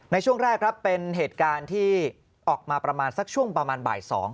ในช่วงแรกครับเป็นเหตุการณ์ที่ออกมาประมาณสักช่วงประมาณบ่าย๒